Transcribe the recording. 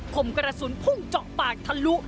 ผมกระสุนพุ่งเจาะปากทะลุ